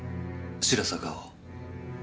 白坂を。